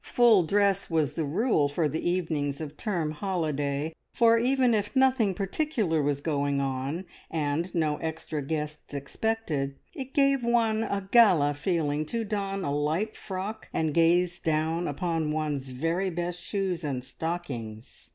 Full dress was the rule for the evenings of term holiday, for even if nothing particular was going on, and no extra guests expected, it gave one a gala feeling to don a light frock, and gaze down upon one's very best shoes and stockings.